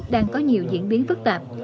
đang có nhiều diễn biến phức tạp